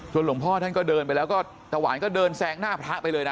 หลวงพ่อท่านก็เดินไปแล้วก็ตะหวานก็เดินแซงหน้าพระไปเลยนะ